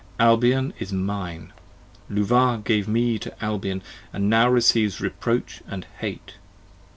Albion is mine! Luvah gave me to Albion, And now recieves reproach & hate.